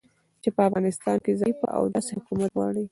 چې په افغانستان کې ضعیفه او داسې حکومت غواړي